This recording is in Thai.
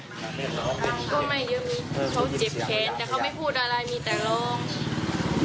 แต่เขาไม่พูดอะไรมีแต่ลอง